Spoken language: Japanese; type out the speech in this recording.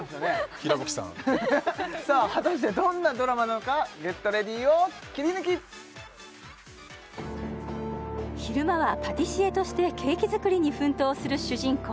ヒラブキさんさあ果たしてどんなドラマなのか「ＧｅｔＲｅａｄｙ！」をキリヌキ昼間はパティシエとしてケーキ作りに奮闘する主人公